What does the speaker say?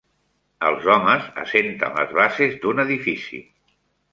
Els homes assenten les bases d'un edifici.